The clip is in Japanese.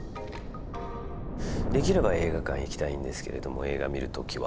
できれば映画館へ行きたいんですけれども映画見る時は。